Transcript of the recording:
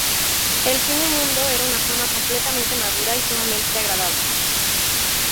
El cine mudo era una forma completamente madura y sumamente agradable.